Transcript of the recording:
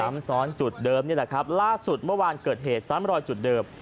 ซ้ำซ้อนจุดเดิมนี่แหละครับล่าสุดเมื่อวานเกิดเหตุซ้ำรอยจุดเดิม